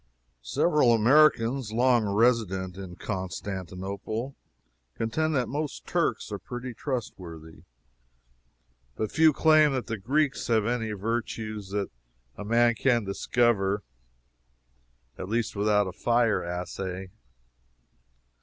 Several Americans long resident in Constantinople contend that most Turks are pretty trustworthy, but few claim that the Greeks have any virtues that a man can discover at least without a fire assay.